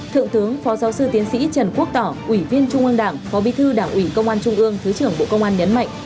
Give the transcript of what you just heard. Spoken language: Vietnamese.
thượng tướng phó giáo sư tiến sĩ trần quốc tỏ ủy viên trung ương đảng phó bí thư đảng ủy công an trung ương thứ trưởng bộ công an nhấn mạnh